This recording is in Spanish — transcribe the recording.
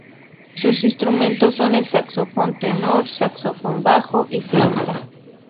Sus instrumentos son el saxofón tenor, saxofón bajo y flauta.